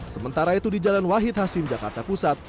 sementara itu di jalan wahid hasim jakarta pusat